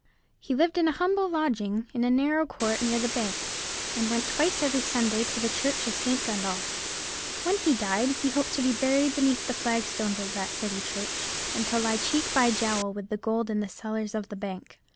He lived in a humble lodging, in a narrow court near the bank, and went twice every Sunday to the church of St. Gundolph. When he died he hoped to be buried beneath the flagstones of that City church, and to lie cheek by jowl with the gold in the cellars of the bank.